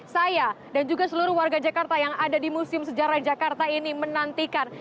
saya dan juga seluruh warga jakarta yang ada di museum sejarah jakarta ini menantikan